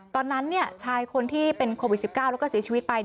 ตอนนั้นชายคนที่เป็นโควิด๑๙แล้วก็เสียชีวิตไป